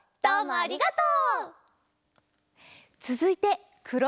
ありがとう。